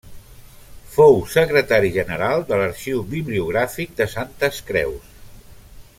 Fou secretari general de l’Arxiu Bibliogràfic de Santes Creus.